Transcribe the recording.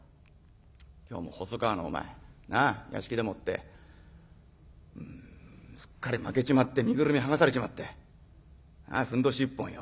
今日も細川のお前なあ屋敷でもってすっかり負けちまって身ぐるみ剥がされちまってふんどし一本よ。